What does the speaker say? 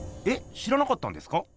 知らなかったんですか？